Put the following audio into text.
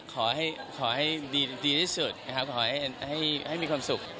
ขอให้ดีที่สุดนะครับขอให้มีความสุข